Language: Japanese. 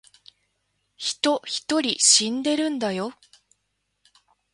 人一人死んでるんだよ